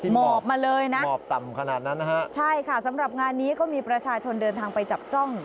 หมอบมาเลยนะใช่ค่ะสำหรับงานนี้ก็มีประชาชนเดินทางไปจับจ้อง